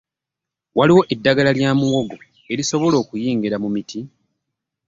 Waliwo eddagala lya muwogo erisobola okuyingira mu miti.